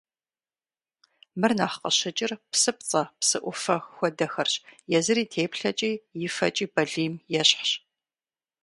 Мыр нэхъ къыщыкӏыр псыпцӏэ, псы ӏуфэ хуэдэхэрщ, езыр и теплъэкӏи и фэкӏи балийм ещхьщ.